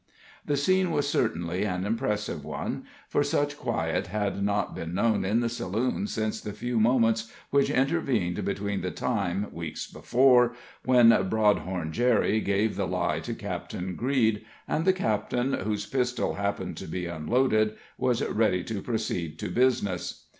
The scene was certainly an impressive one; for such quiet had not been known at the saloon since the few moments which intervened between the time, weeks before, when Broadhorn Jerry gave the lie to Captain Greed, and the captain, whose pistol happened to be unloaded, was ready to proceed to business.